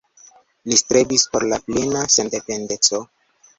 Li strebis por la plena sendependeco.